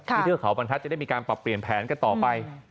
เทือกเขาบรรทัศน์ได้มีการปรับเปลี่ยนแผนกันต่อไป